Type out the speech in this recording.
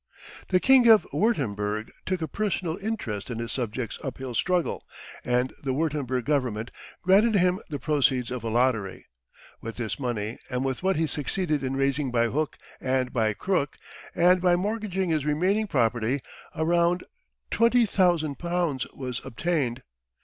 The King of Wurtemberg took a personal interest in his subject's uphill struggle, and the Wurtemberg Government granted him the proceeds of a lottery. With this money, and with what he succeeded in raising by hook and by crook, and by mortgaging his remaining property, a round L20,000 was obtained.